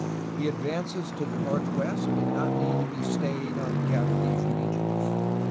The advance to the northwest did not need to be stayed on account of these regions.